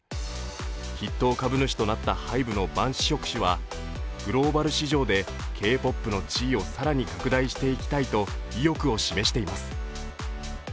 筆頭株主となったＨＹＢＥのバン・シヒョク氏はグローバル史上でＫ−ＰＯＰの地位を更に拡大していきたいと意欲を示しています。